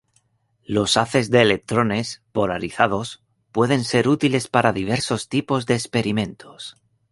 Los haces de electrones polarizados pueden ser útiles para diversos tipos de experimentos.